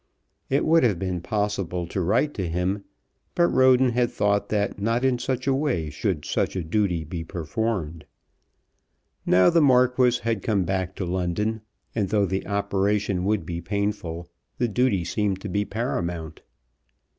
It would have been possible to write to him, but Roden had thought that not in such a way should such a duty be performed. Now the Marquis had come back to London; and though the operation would be painful the duty seemed to be paramount.